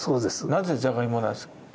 なぜじゃがいもなんですか？